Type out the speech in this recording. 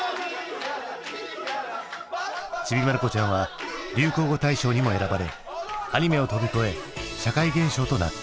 「ちびまる子ちゃん」は流行語大賞にも選ばれアニメを飛び越え社会現象となった。